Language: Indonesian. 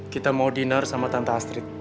kita mau dinar sama tante astrid